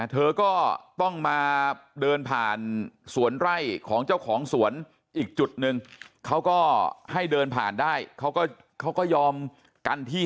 เธอก็ต้องมาเดินผ่านสวนไร่ของเจ้าของสวนอีกจุดหนึ่งเขาก็ให้เดินผ่านได้เขาก็ยอมกันที่